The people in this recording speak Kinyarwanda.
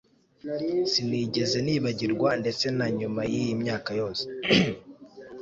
sinigeze nibagirwa, ndetse na nyuma yiyi myaka yose